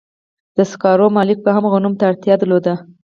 د سکارو مالک به هم غنمو ته اړتیا درلوده